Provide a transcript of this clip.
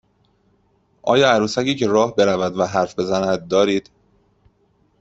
آیا عروسکی که راه برود و حرف بزند دارید؟